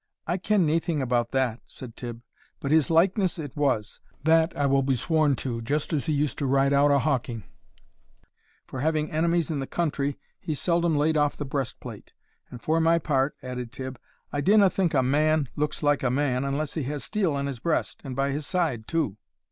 "I ken naething about that," said Tibb, "but his likeness it was, that I will be sworn to, just as he used to ride out a hawking; for having enemies in the country, he seldom laid off the breast plate; and for my part," added Tibb, "I dinna think a man looks like a man unless he has steel on his breast, and by his side too."